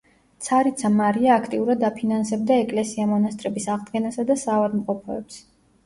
ცარიცა მარია აქტიურად აფინანსებდა ეკლესია-მონასტრების აღდგენასა და საავადმყოფოებს.